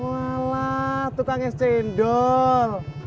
walah tukang s cendol